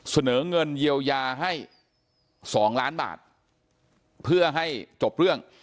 เสนอเงินเยียวยาให้๒ล้านบาทเพื่อให้จบเรื่อง